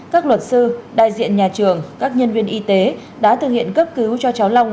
các luật sư đại diện nhà trường các nhân viên y tế đã thực hiện cấp cứu cho cháu long